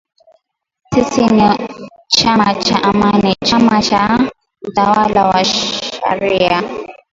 “Sisi ni chama cha Amani, chama cha utawala wa sharia.